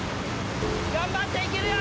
頑張っていけるよ！